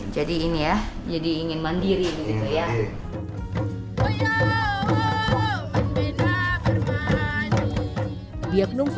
jadi ini ya jadi ingin mandiri gitu ya